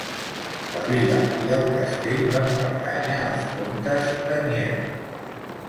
La vila i el castell van pertànyer als comtes de Nieva.